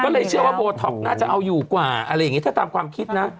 ก็เลยเชื่อว่าโบท็อกน่าจะเอาอยู่กว่าอะไรอย่างนี้ถ้าตามความคิดนะ